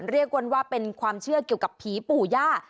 เรียกว่าเป็นความเชื่อเกี่ยวกับผีปู่ย่า